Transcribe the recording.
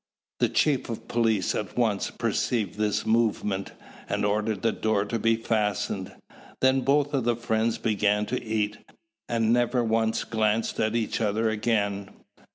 The chief of police at once perceived this movement, and ordered the door to be fastened. Then both of the friends began to eat, and never once glanced at each other again.